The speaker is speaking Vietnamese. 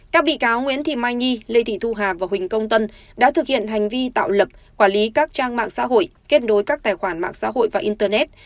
các bị cáo nguyễn thị mai nhi lê thị thu hà và huỳnh công tân đã thực hiện hành vi tạo lập quản lý các trang mạng xã hội kết nối các tài khoản mạng xã hội và internet